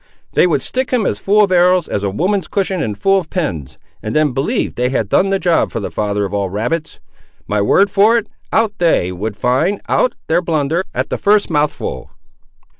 "They would stick him as full of arrows, as a woman's cushion is full of pins, and then believe they had done the job for the father of all rabbits! My word for it out they would find out their blunder at the first mouthful!"